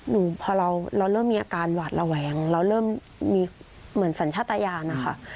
พอเราเริ่มมีอาการหวาดระแวงเราเริ่มมีเหมือนสัญชาติยานนะคะ